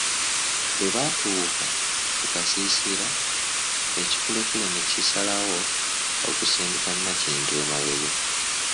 Bwe batuuka ku kasiisira ekikulekule ne kisalawo okusindika Nakintu emabega .